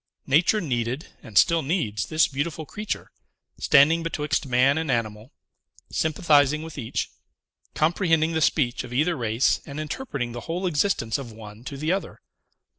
Nature needed, and still needs, this beautiful creature; standing betwixt man and animal, sympathizing with each, comprehending the speech of either race, and interpreting the whole existence of one to the other.